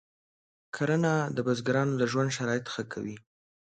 کرنه د بزګرانو د ژوند شرایط ښه کوي.